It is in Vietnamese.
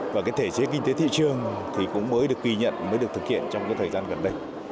và cái thể chế kinh tế thị trường thì cũng mới được kỳ nhận mới được thực hiện trong cái thời gian gần đây